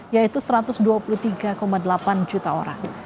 yaitu satu ratus dua puluh tiga delapan juta orang